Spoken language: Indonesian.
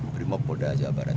berimob polda jawa barat